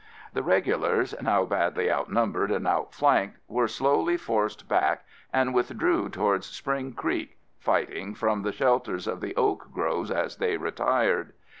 The regulars, now badly outnumbered and outflanked, were slowly forced back and withdrew towards Spring Creek, fighting from the shelters of the oak groves as they retired.